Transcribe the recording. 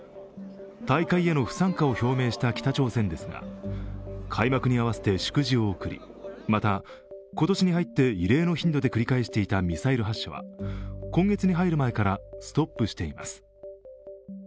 大会への不参加を表明した北朝鮮ですが開幕に合わせて祝辞を送り、また、今年に入って異例の頻度で繰り返していたミサイル発射は今月に入る前からストップしています。